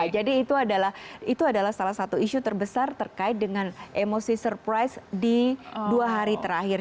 jadi itu adalah salah satu issue terbesar terkait dengan emosi surprise di dua hari terakhir